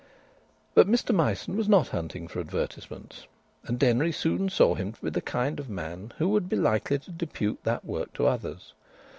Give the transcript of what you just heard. But Mr Myson was not hunting for advertisements, and Denry soon saw him to be the kind of man who would be likely to depute that work to others.